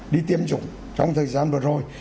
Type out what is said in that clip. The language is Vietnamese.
đi tiêm chủng trong thời gian vừa rồi